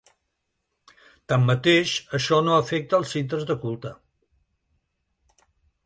Tanmateix, això no afecta als centres de culte.